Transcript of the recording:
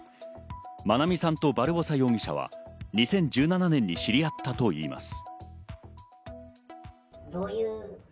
愛美さんとバルボサ容疑者は２０１７年に知り合ったといいます。